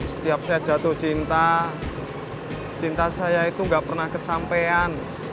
setiap saya jatuh cinta cinta saya itu gak pernah kesampean